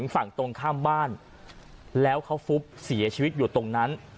ฝั่งอายุประหว่างด้วย